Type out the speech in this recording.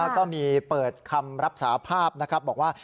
ก็มีเปิดคำรับสาภาพบอกว่า